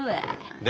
で？